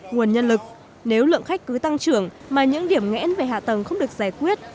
nguồn nhân lực nếu lượng khách cứ tăng trưởng mà những điểm nghẽn về hạ tầng không được giải quyết